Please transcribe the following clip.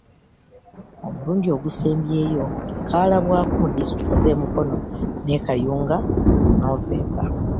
Omulundi ogukyasembyeyo kaalabwako mu disitulikiti z’e Mukono ne Kayunga mu Novemba.